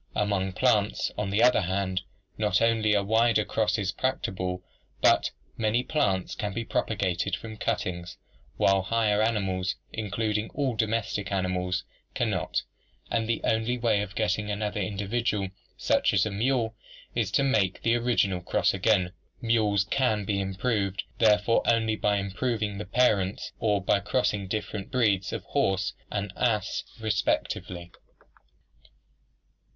Among plants, on the other hand, not only are wider crosses practicable but many plants can be propagated from cuttings, while higher animals, including all domestic animals, can not, and the only way of getting another individual such as a mule is to make the original cross again. Mules can be improved therefore only by improving the parents or by crossing different breeds of the horse and ass respectively.